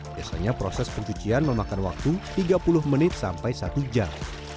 biasanya proses pencucian memakan waktu tiga puluh menit sampai satu jam